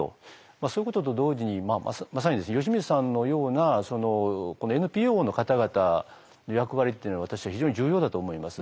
そういうことと同時にまさに吉水さんのようなＮＰＯの方々の役割っていうのは私は非常に重要だと思います。